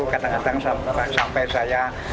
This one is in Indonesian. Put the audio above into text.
kadang kadang sampai saya